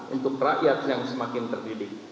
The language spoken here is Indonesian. untuk rakyat yang semakin terdidik